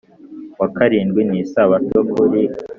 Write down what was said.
wa karindwi ni isabato Kuri